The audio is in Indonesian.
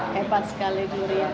hebat sekali gloria